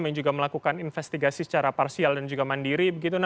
yang juga melakukan investigasi secara parsial dan juga mandiri